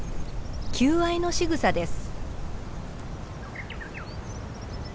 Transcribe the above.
求愛のしぐさです。